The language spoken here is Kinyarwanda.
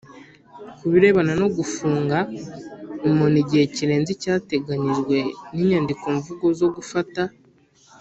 Ku birebana no gufunga umuntu igihe kirenze icyateganyijwe n inyandikomvugo zo gufata